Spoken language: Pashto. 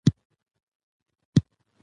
کلي او بانډې د ښارونو په څیر پرمختګ کوي.